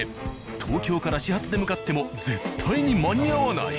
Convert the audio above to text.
東京から始発で向かっても絶対に間に合わない。